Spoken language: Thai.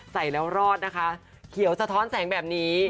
ใส่แล้วรอดนะคะเขียวสะท้อนแสงแบบนี้